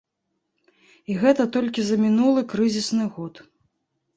І гэта толькі за мінулы крызісны год!